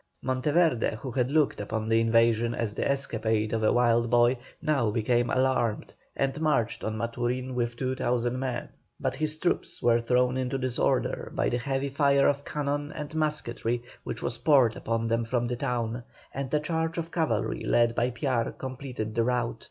Monteverde, who had looked upon the invasion as the escapade of a wild boy, now became alarmed and marched on Maturin with 2,000 men, but his troops were thrown into disorder by the heavy fire of cannon and musketry which was poured upon them from the town, and a charge of cavalry led by Piar completed the rout.